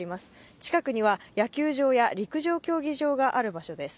近くには野球場や陸上競技場がある場所です。